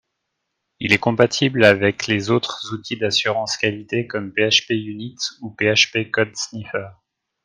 Il est compatible avec les autres outils d’assurance qualité comme PHPUnit ou PHP CodeSniffer.